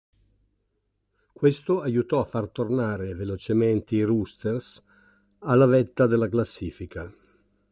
Questo aiutò a far tornare velocemente i Roosters alla vetta della classifica.